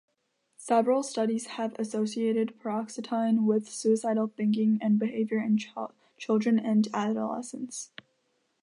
Several studies have associated paroxetine with suicidal thinking and behavior in children and adolescents.